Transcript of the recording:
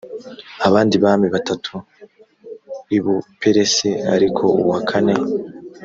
abandi bami batatu i buperesi ariko uwa kane